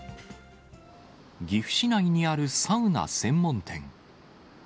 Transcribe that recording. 岐阜市内にあるサウナ専門店。